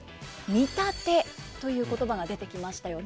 「見立て」という言葉が出てきましたよね。